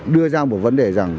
đưa ra một vấn đề rằng